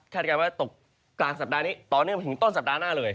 การว่าตกกลางสัปดาห์นี้ต่อเนื่องไปถึงต้นสัปดาห์หน้าเลย